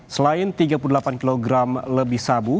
selain tiga puluh delapan kg lebih sabu